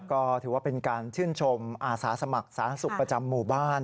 ก็ถือว่าเป็นการชื่นชมอาสาสมัครสาธารณสุขประจำหมู่บ้าน